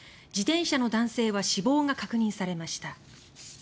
男性は死亡が確認されました。